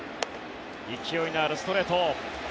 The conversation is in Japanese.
勢いのあるストレート。